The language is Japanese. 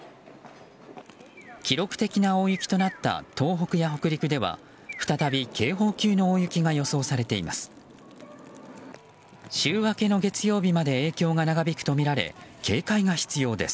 記録的な大雪となった東北や北陸では再び警報級の大雪が予想されています。